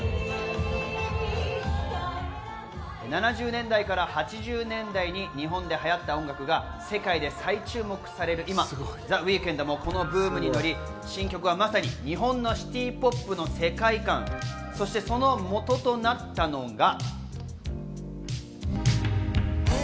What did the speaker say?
７０年代から８０年代、日本で流行った音楽が世界で最注目される今、ザ・ウィークエンドもこのブームに乗り、新曲はまさに日本のシティ・ポップの世界観、そして、そのもととなったのが。